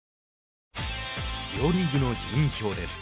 両リーグの順位表です。